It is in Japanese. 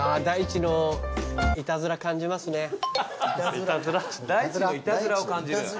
大地のいたずらを感じる？